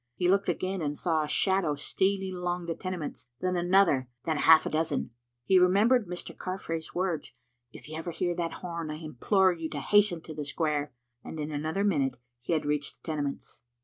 He looked again and saw a shadow stealing along the Tenements, then another, then half a dozen. He remembered Mr. Car frae's words, " If you ever hear that horn, I implore you to hasten to the square," and in another minute he had reached the Tenements.